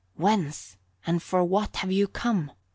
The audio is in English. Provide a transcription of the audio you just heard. "Whence and for what have you come?"